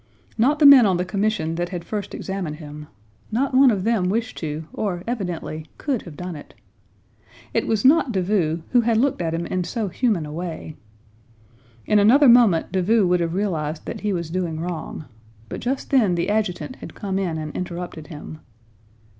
Not the men on the commission that had first examined him—not one of them wished to or, evidently, could have done it. It was not Davout, who had looked at him in so human a way. In another moment Davout would have realized that he was doing wrong, but just then the adjutant had come in and interrupted him.